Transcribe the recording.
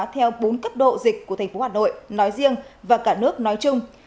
theo bốn cấp độ dịch của tp hà nội nói riêng và cả nước nói chung